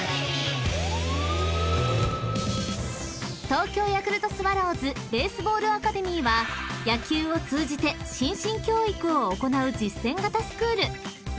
［東京ヤクルトスワローズベースボールアカデミーは野球を通じて心身教育を行う実践型スクール］